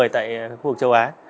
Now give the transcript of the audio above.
tại khu vực châu á